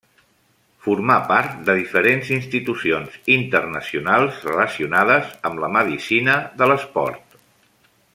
Formà part de diferents institucions internacionals relacionades amb la medicina de l’esport.